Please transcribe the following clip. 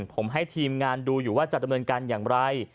ผมให้ทีมงานดูอยู่ว่าจะดำเนินการอย่างไร